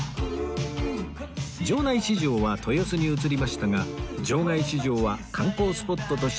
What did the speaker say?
場内市場は豊洲に移りましたが場外市場は観光スポットとして今もにぎわっています